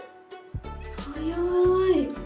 早い。